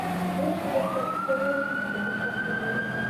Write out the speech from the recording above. اوس چې درته څه وایم په دقت یې واوره.